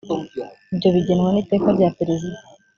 ibyo bigenwa n’iteka rya perezida